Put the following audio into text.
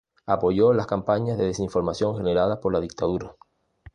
Apoyó las campañas de desinformación generadas por la dictadura.